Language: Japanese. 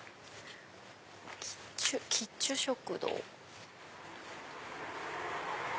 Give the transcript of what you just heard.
キッチュ食堂。